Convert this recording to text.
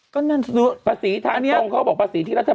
ก็นั่นคือปฏิสิทธิ์ทางตรงเขาบอกปฏิสิทธิ์ที่รัฐบาล